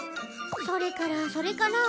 それからそれから。